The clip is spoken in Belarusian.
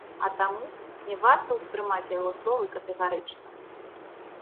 А таму, не варта ўспрымаць яго словы катэгарычна!